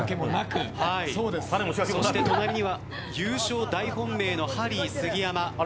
そして隣には優勝大本命のハリー杉山。